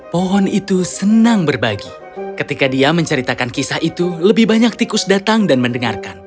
pohon itu senang berbagi ketika dia menceritakan kisah itu lebih banyak tikus datang dan mendengarkan